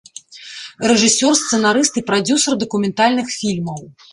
Рэжысёр, сцэнарыст і прадзюсар дакументальных фільмаў.